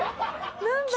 何だ？